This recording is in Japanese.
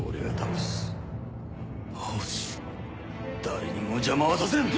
誰にも邪魔はさせん！